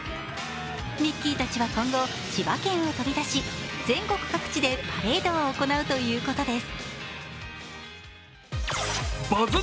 ミッキーたちは今後、千葉県を飛び出し全国各地でパレードを行うということです。